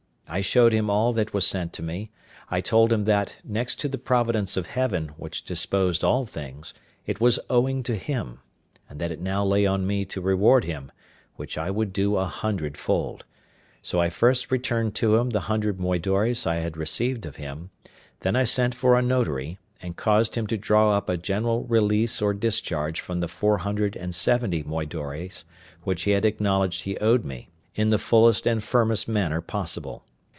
I showed him all that was sent to me; I told him that, next to the providence of Heaven, which disposed all things, it was owing to him; and that it now lay on me to reward him, which I would do a hundred fold: so I first returned to him the hundred moidores I had received of him; then I sent for a notary, and caused him to draw up a general release or discharge from the four hundred and seventy moidores, which he had acknowledged he owed me, in the fullest and firmest manner possible.